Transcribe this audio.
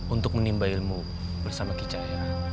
untuk menimba ilmu bersama kicahya